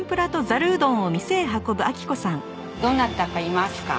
どなたかいますか？